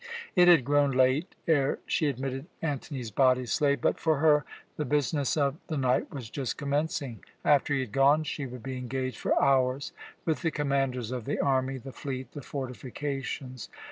It had grown late ere she admitted Antony's body slave, but for her the business of the night was just commencing. After he had gone she would be engaged for hours with the commanders of the army, the fleet, the fortifications.